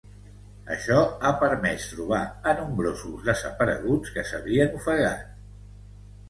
Això ha permès trobar a nombrosos desapareguts que s'havien ofegat.